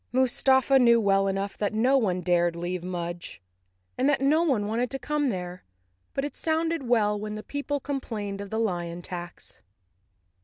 Mustafa knew well enough that no one dared leave Mudge, and that no one wanted to come there, but it sounded well when the people complained of the lion tax.